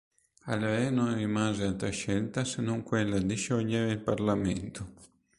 Al re non rimase altra scelta se non quella di sciogliere il Parlamento.